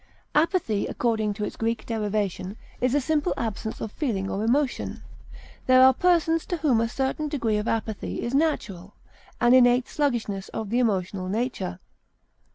Apathy, according to its Greek derivation, is a simple absence of feeling or emotion. There are persons to whom a certain degree of apathy is natural, an innate sluggishness of the emotional nature.